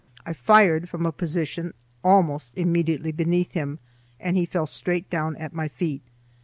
I fired from a position almost immediately beneath him, and he fell straight down at my feet.